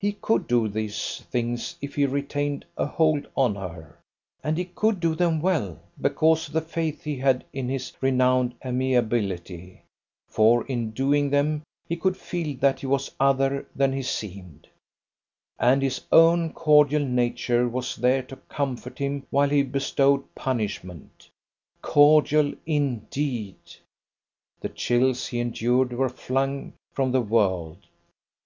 He could do these things if he retained a hold on her; and he could do them well because of the faith he had in his renowned amiability; for in doing them, he could feel that he was other than he seemed, and his own cordial nature was there to comfort him while he bestowed punishment. Cordial indeed, the chills he endured were flung from the world.